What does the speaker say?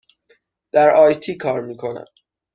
در آی تی کار می کنم.